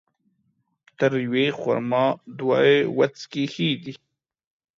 تر يوې خرما ، دوې وڅکي ښه دي